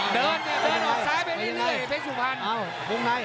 เดินออกซ้ายไปนิดนึงเป็นสู่พันธ์อ้าวลงไหน